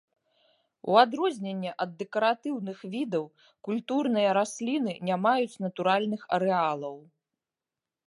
У адрозненне ад дэкаратыўных відаў, культурныя расліны не маюць натуральных арэалаў.